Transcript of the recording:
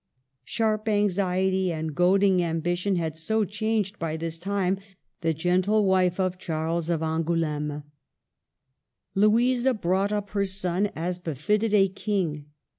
Sharp anxiety and goading ambition had so changed by this time the gentle wife of Charles of Angouleme. Louisa brought up her son as befitted a king.